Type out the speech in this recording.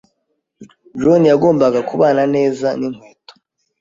John yagombaga kubana neza n'inkweto.